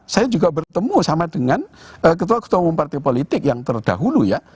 saya juga bertemu sama dengan ketua ketua umum partai politik yang terdahulu ya